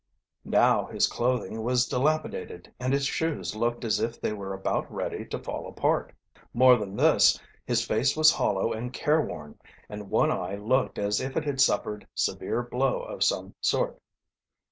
Now his clothing was dilapidated and his shoes looked as if they were about ready to fall apart. More than this, his face was hollow and careworn, and one eye looked as if it had suffered severe blow of some sort.